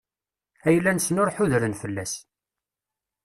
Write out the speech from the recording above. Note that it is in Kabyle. Ayla-nsen ur ḥudren fell-as.